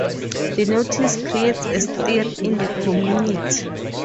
The notice creates a stir in the community.